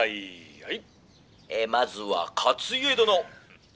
「はい。